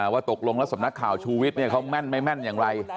ว่าตกลงแล้วสำนักข่าวชูวิทย์เขาแม่นไม่แม่นอย่างไร